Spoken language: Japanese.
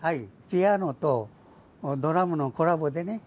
ピアノとドラムのコラボでね